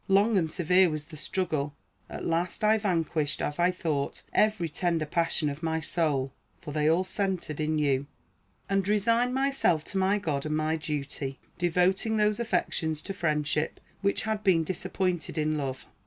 Long and severe was the struggle; at last I vanquished, as I thought, every tender passion of my soul, (for they all centred in you,) and resigned myself to my God and my duty, devoting those affections to friendship which had been disappointed in love.